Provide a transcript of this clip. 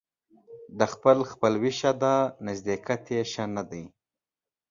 د خپل خپلوي ښه ده ، نژدېکت يې ښه نه دى.